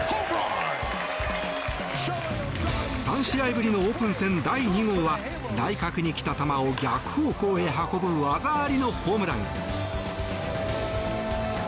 ３試合ぶりのオープン戦第２号は内角に来た球を逆方向へ運ぶ技ありのホームラン。